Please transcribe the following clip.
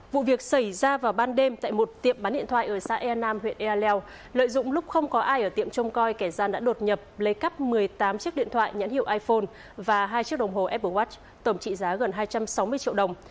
vụ việc xảy ra vào ban đêm tại một tiệm bán điện thoại ở xã e nam huyện ea leo lợi dụng lúc không có ai ở tiệm trông coi kẻ gian đã đột nhập lấy cắp một mươi tám chiếc điện thoại nhãn hiệu iphone và hai chiếc đồng hồ apple watch tổng trị giá gần hai trăm sáu mươi triệu đồng